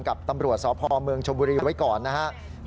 กับตำรวจสพเมืองชมบุรีไว้ก่อนนะครับ